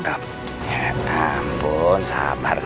dalam bulan server etus